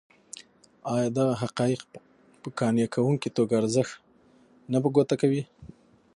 ایا دغه حقایق په قانع کوونکې توګه ارزښت نه په ګوته کوي.